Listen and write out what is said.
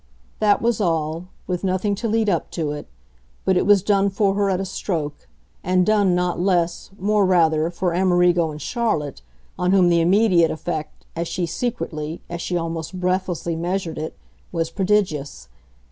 That was all, with nothing to lead up to it; but it was done for her at a stroke, and done, not less, more rather, for Amerigo and Charlotte, on whom the immediate effect, as she secretly, as she almost breathlessly measured it, was prodigious.